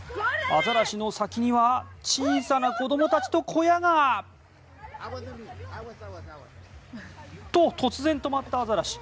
アザラシの先には小さな子供たちと小屋が！と、突然止まったアザラシ。